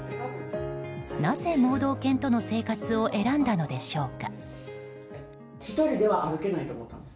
なぜ盲導犬との生活を選んだのでしょうか？